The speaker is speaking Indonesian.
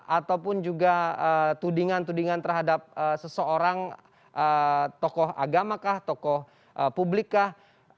ataupun juga tudingan tudingan terhadap seseorang tokoh agamakah tokoh publikkah